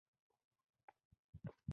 د سټیونز او د هغه د ملګرو شخصي جېب ته تلل.